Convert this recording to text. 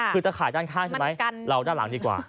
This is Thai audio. คือจะขายด้านข้างใช่ไหมเราด้านหลังดีกว่า